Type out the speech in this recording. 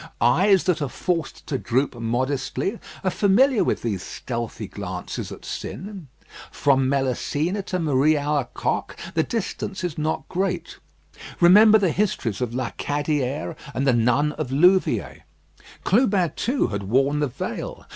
Eyes that are forced to droop modestly are familiar with these stealthy glances at sin. From Messalina to Marie Alacoque the distance is not great. Remember the histories of La Cadière and the nun of Louviers. Clubin, too, had worn the veil.